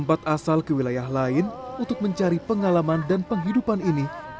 saya yakin ada interests gest constitusi